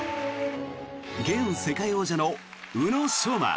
現世界王者の宇野昌磨。